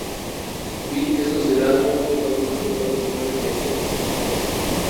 Vile es considerado uno de los más poderosos rivales de X y Zero.